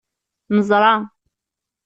Neẓṛa.